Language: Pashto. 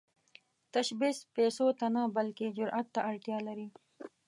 تشبث پيسو ته نه، بلکې جرئت ته اړتیا لري.